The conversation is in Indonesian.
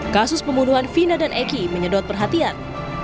kasus pembunuhan vina dan eki menyedot perhatian